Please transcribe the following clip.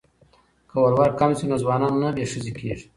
که ولور کم شي نو ځوانان نه بې ښځې کیږي.